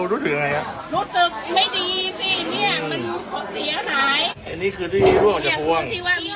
รู้สึกไม่ดีเนี้ยมันเสียหายอันนี้คือที่ที่ร่วมจากห่วง